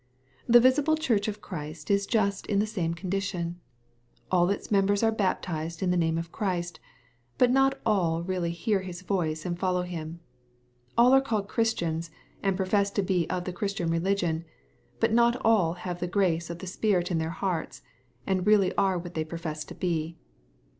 The visible Church of Christ is just in the same condition. All its members are baptized in the name of Christ, but not all really hear His voice and follow Him. All are called Christians, and profess to be of the Christian religion, but not all have the grace of the Spirit in their hearts, and really are what they profess to be.